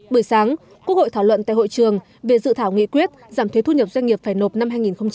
buổi sáng quốc hội thảo luận tại hội trường về dự thảo nghị quyết giảm thuế thu nhập doanh nghiệp phải nộp năm hai nghìn hai mươi